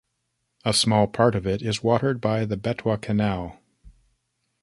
A small part of it is watered by the Betwa Canal.